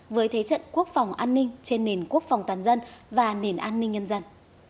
với thế trận quốc phòng an ninh trên nền quốc phòng toàn dân và nền an ninh nhân dân